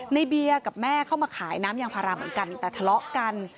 เบียร์กับแม่เข้ามาขายน้ำยางพาราเหมือนกันแต่ทะเลาะกัน